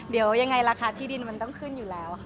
เดี๋ยวยังไงราคาที่ดินมันต้องขึ้นอยู่แล้วค่ะ